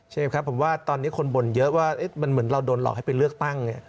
ครับผมว่าตอนนี้คนบ่นเยอะว่ามันเหมือนเราโดนหลอกให้ไปเลือกตั้ง